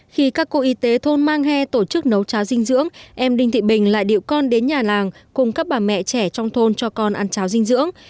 khi các cô y tế thôn mang he tổ chức nấu chá dinh dưỡng em đinh thị bình lại điệu con đến nhà làng cùng các bà mẹ trẻ trong thôn cho con ăn cháo dinh dưỡng